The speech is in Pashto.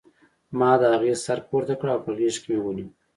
ما د هغې سر پورته کړ او په غېږ کې مې ونیو